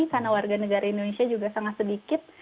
karena warga negara indonesia juga sangat sedikit